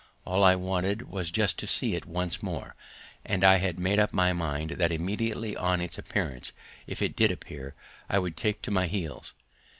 All I wanted was just to see it once more, and I had made up my mind that immediately on its appearance, if it did appear, I would take to my heels.